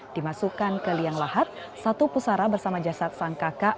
dimasukkan ke liang lahat satu pusara bersama jasad sang kakak